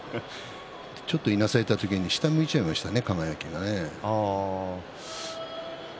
ちょっと、いなされた時に下向いちゃましたね